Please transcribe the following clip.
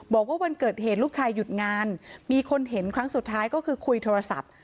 บอกว่าวันเกิดเหตุลูกชายหยุดงานมีคนเห็นครั้งสุดท้ายก็คือคุยโทรศัพท์